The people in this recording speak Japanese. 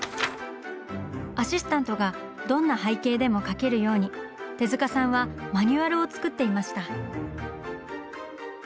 アシスタントがどんな背景でも描けるように手さんはマニュアルを作っていました。